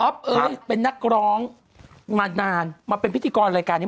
เอ้ยเป็นนักร้องมานานมาเป็นพิธีกรรายการนี้